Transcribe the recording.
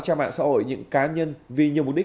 trang mạng xã hội những cá nhân vì nhiều mục đích